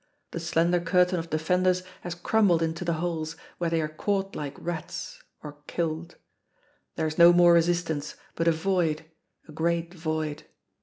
The slender curtain of defenders has crumbled into the holes, where they are caught like rats or killed. There is no more resistance, but a void, a great void.